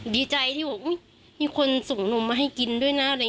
ดีใจที่มีคนส่งหนุ่มมาให้กินด้วยนะ